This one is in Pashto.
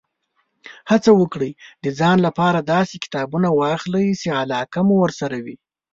هڅه وکړئ، د ځان لپاره داسې کتابونه واخلئ، چې علاقه مو ورسره وي.